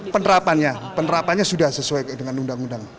penerapannya penerapannya sudah sesuai dengan undang undang